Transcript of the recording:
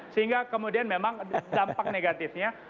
sehingga kemudian memang dampak negatifnya